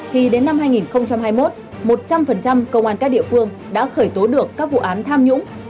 thì đến năm hai nghìn hai mươi một một trăm linh công an các địa phương đã khởi tố được các vụ án tham nhũng